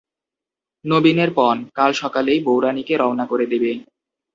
নবীনের পণ, কাল সকালেই বউরানীকে রওনা করে দেবে।